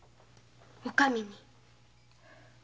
お上に？